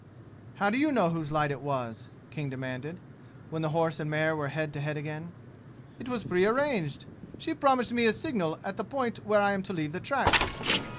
"How do you know whose light it was?" King demanded, when the horse and mare were head to head again. "It was prearranged. She promised me a signal at the point where I am to leave the track!"